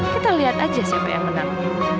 kita lihat aja siapa yang menang